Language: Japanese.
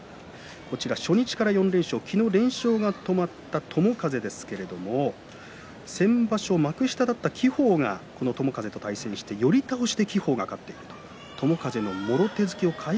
初日から４連勝、昨日連勝が止まった友風ですが先場所、幕下だった輝鵬がこの友風と対戦して寄り倒しで輝鵬が勝っています。